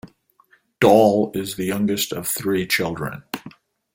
Dall is the youngest of three children.